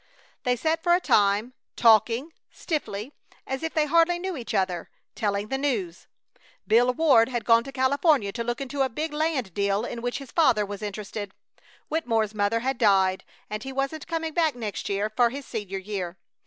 They sat for a time, talking, stiffly, as if they hardly knew one another, telling the news. Bill Ward had gone to California to look into a big land deal in which his father was interested. Wittemore's mother had died and he wasn't coming back next year for his senior year.